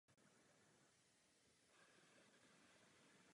Za to jsme vděční kvalifikované práci portugalského předsednictví.